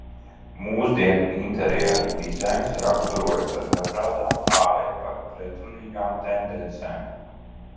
Mūsdienu interjera dizains raksturojas ar dažādām, ārēji pat pretrunīgām tendencēm.